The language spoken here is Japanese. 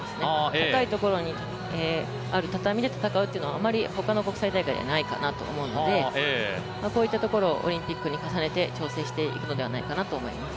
高いところにある畳で戦うというのがあまり他の国際大会ではないかなと思うのでこういったところをオリンピックに重ねて調整していくのではないかと思います。